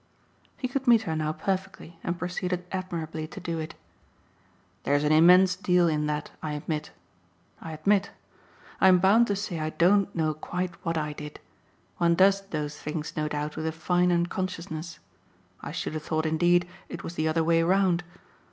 He could meet her now perfectly and proceeded admirably to do it. "There's an immense deal in that, I admit I admit. I'm bound to say I don't know quite what I did one does those things, no doubt, with a fine unconsciousness: I should have thought indeed it was the other way round.